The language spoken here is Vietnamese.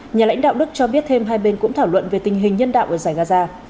nhà lãnh đạo đức cho biết thêm hai bên cũng thảo luận về tình hình nhân đạo ở giải gaza